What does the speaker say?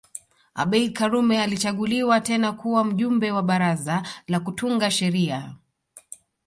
Abeid Karume alichaguliwa tena kuwa mjumbe wa baraza la kutunga sheria